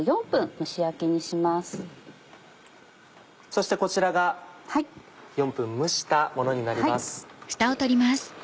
そしてこちらが４分蒸したものになります。